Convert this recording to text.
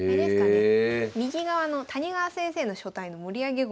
右側の谷川先生の書体の盛り上げ駒とかが結構。